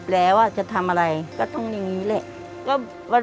แล้วจะทำอะไรก็ต้องอย่างนี้แหละ